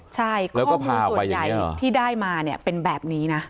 ใช่ข้อมูลส่วนใหญ่ที่ได้มาเนี่ยเป็นแบบนี้นะ